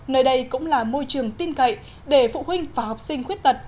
nơi đây cũng là môi trường tin cậy để phụ huynh và học sinh khuyết tật